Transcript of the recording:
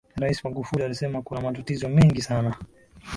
raisi magufuli alisema kuna matatizo mengi sana